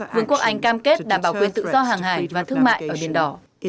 vương quốc anh cam kết đảm bảo quyền tự do hàng hải và thương mại ở biển đỏ